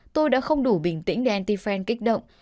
tôi đã không đủ bình tĩnh để anti fan kích động